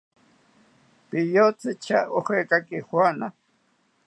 ¿Piyotzi tya ojekaki juana?